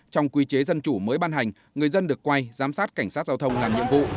trong quy chế dân chủ mới ban hành người dân được quay giám sát cảnh sát giao thông làm nhiệm vụ